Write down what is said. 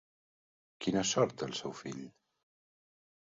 Quina sort té el seu fill?